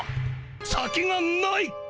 「先がない」。